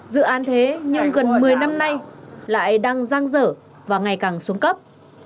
dự án thế nhưng gần một mươi năm nay lại đang giang dở và ngày càng xuống cấp